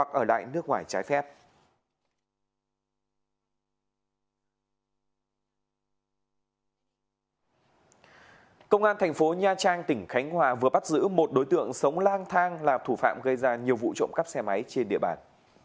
công an thành phố nha trang tỉnh khánh hòa vừa bắt giữ một đối tượng sống lang thang là thủ phạm gây ra nhiều vụ trộm cắp xe máy trên địa bàn